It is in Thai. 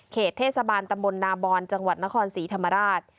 เทศบาลตำบลนาบอนจังหวัดนครศรีธรรมราช